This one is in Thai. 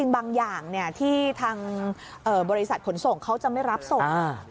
บางอย่างที่ทางบริษัทขนส่งเขาจะไม่รับส่ง